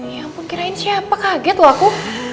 ya ampun kirain siapa kaget loh aku